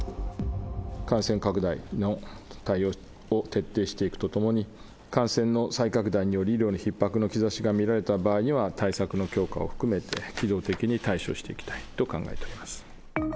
感染拡大の対応を徹底していくとともに、感染の再拡大による医療のひっ迫の兆しが見られた場合には、対策の強化を含めて、機動的に対処していきたいと考えております。